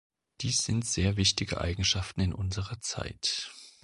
Dies sind sehr wichtige Eigenschaften in unserer Zeit.